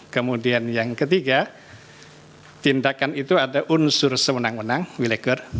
kemudian yang ketiga tindakan itu ada unsur seundang undang willekeur